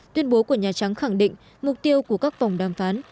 tuyên bố của nhà trắng khẳng định mục tiêu của các vòng đàm phán